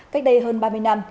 cách đây hơn ba mươi năm